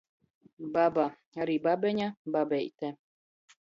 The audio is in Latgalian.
Baba, ari babeņa, babeite.